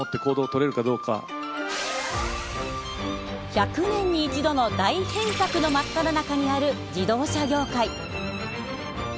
１００年に一度の大変革の真っただ中にある自動車業界。